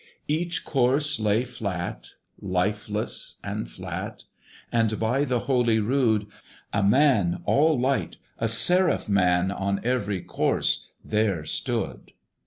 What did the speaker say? Each corse lay flat, lifeless and flat, And, by the holy rood! A man all light, a seraph man, On every corse there stood.